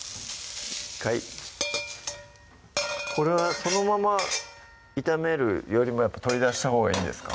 １回これはそのまま炒めるよりも取り出したほうがいいんですか？